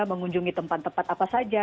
mengunjungi tempat tempat apa saja